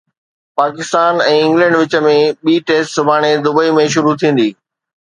Pakistan ۽ England وچ ۾ ٻي test سڀاڻي دبئي ۾ شروع ٿيندي